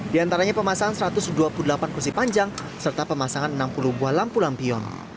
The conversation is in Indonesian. di antaranya pemasangan satu ratus dua puluh delapan kursi panjang serta pemasangan enam puluh buah lampu lampion